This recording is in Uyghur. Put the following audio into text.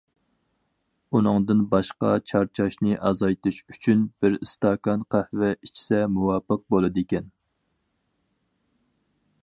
ئۇنىڭدىن باشقا چارچاشنى ئازايتىش ئۈچۈن، بىر ئىستاكان قەھۋە ئىچسە مۇۋاپىق بولىدىكەن.